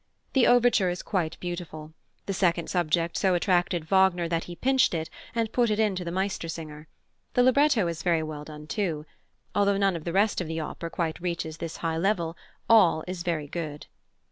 The overture is quite beautiful; the second subject so attracted Wagner that he "pinched" it and put it into the Meistersinger. The libretto is very well done, too. Although none of the rest of the opera quite reaches this high level, all is very good.